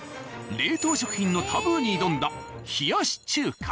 冷凍食品のタブーに挑んだ冷やし中華。